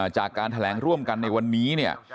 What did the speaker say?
จากการแถลงร่วมกันในวันนี้เนี่ย